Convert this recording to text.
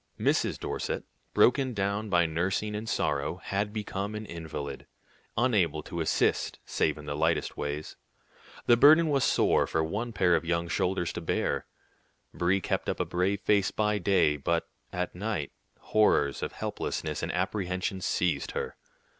Mrs. Dorset, broken down by nursing and sorrow, had become an invalid, unable to assist save in the lightest ways. The burden was sore for one pair of young shoulders to bear. Brie kept up a brave face by day, but at night, horrors of helplessness and apprehension seized her.